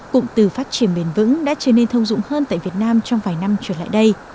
cũng từ phát triển bền vững đã trở nên thông dụng hơn tại việt nam trong vài năm trở lại đây